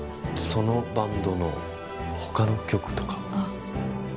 そのバンドの他の曲とかは？